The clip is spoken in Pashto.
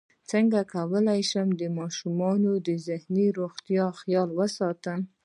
څنګه کولی شم د ماشومانو د ذهني روغتیا خیال وساتم